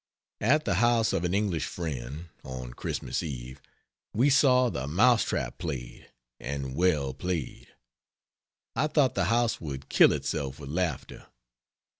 At the house of an English friend, on Christmas Eve, we saw the Mouse Trap played and well played. I thought the house would kill itself with laughter.